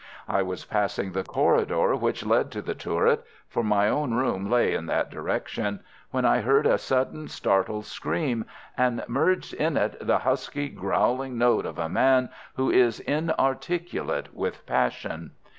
I was passing the corridor which led to the turret—for my own room lay in that direction—when I heard a sudden, startled scream, and merged in it the husky, growling note of a man who is inarticulate with passion.